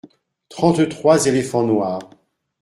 Trente-trois éléphants noirs.